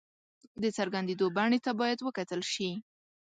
د څرګندېدو بڼې ته باید وکتل شي.